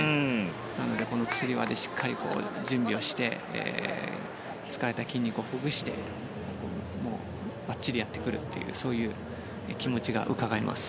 なので、このつり輪でしっかり準備をして疲れた筋肉をほぐしてばっちりやってくるというそういう気持ちがうかがえます。